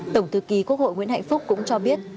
tổng thư ký quốc hội nguyễn hạnh phúc cũng cho biết